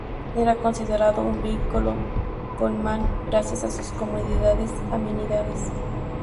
Era considerado un vehículo "Pullman" gracias a sus comodidades y amenidades.